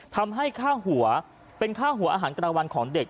ทำให้ค่าหัวเป็นค่าหัวอาหารกระวันของเด็ก